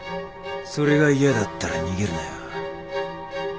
それが嫌だったら逃げるなよ。